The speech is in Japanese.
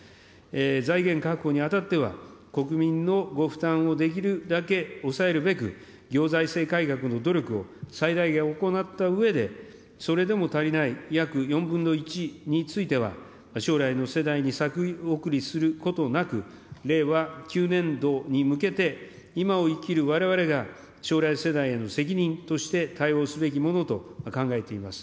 財源確保にあたっては、国民のご負担をできるだけ抑えるべく、行政財政改革の努力を最大限行ったうえで、それでも足りない約４分の１については、将来の世代に先送りすることなく、令和９年度に向けて、今を生きるわれわれが将来世代への責任として対応すべきものと考えています。